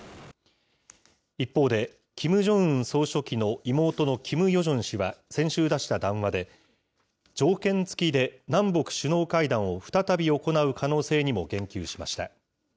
一方で、キム・ジョンウン総書記の妹のキム・ヨジョン氏は、先週出した談話で、条件付きで南北首脳会談を再び行う可能性にも言及しました。